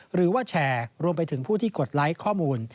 หรือว่าแชร์รวมไปถึงผู้ที่กดไลค์ข้อมูล